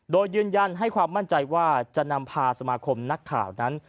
โดยยืนยันให้ความมั่นใจว่าจะนำพาสมาคมนักข่าวนั้น